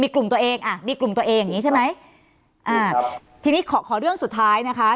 กลุ่มตัวเองอ่ะมีกลุ่มตัวเองอย่างงี้ใช่ไหมอ่าทีนี้ขอขอเรื่องสุดท้ายนะคะ